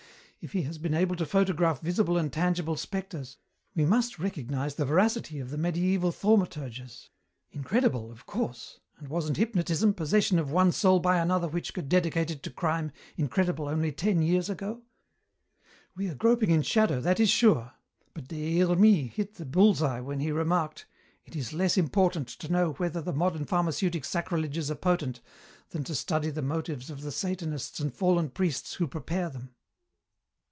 If he has been able to photograph visible and tangible spectres, we must recognize the veracity of the mediæval thaumaturges. Incredible, of course and wasn't hypnotism, possession of one soul by another which could dedicate it to crime incredible only ten years ago? "We are groping in shadow, that is sure. But Des Hermies hit the bull's eye when he remarked, 'It is less important to know whether the modern pharmaceutic sacrileges are potent, than to study the motives of the Satanists and fallen priests who prepare them.'